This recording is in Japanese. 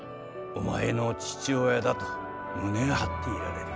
お前の父親だと胸を張っていられる。